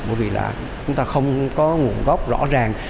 bởi vì là chúng ta không có nguồn gốc rõ ràng